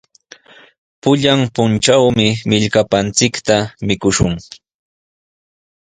Pullan puntrawmi millkapanchikta mikushun.